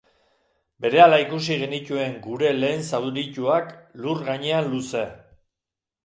Berehala ikusi genituen gure lehen zaurituak lur gainean luze.